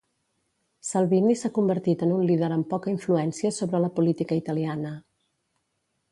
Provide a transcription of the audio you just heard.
Salvini s'ha convertit en un líder amb poca influència sobre la política italiana.